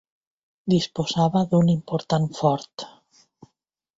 Disposava d'un important fort.